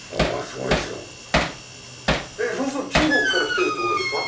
そうすると中国から来てるってことですか？